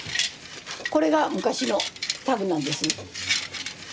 これが昔のタグなんですこれ。